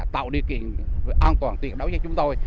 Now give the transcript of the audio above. tạo điều kiện an toàn tuyệt đối cho chúng tôi